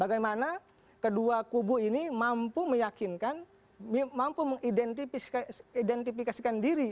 bagaimana kedua kubu ini mampu meyakinkan mampu mengidentifikasikan diri